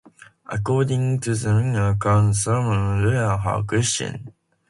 According to the scriptural account, Solomon answered all her questions.